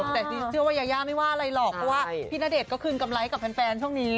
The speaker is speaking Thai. แต่เชื่อว่ายายาไม่ว่าอะไรหรอกเพราะว่าพี่ณเดชน์ก็คืนกำไรกับแฟนช่วงนี้